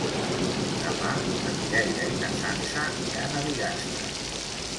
Demà na Mireia i na Sança iran a Bigastre.